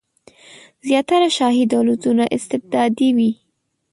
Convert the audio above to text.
زیاتره شاهي دولتونه استبدادي وي.